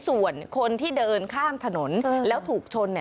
ส่วนคนที่เดินข้ามถนนแล้วถูกชน